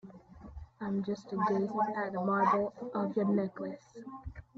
I'm just gazing at the marble of your necklace.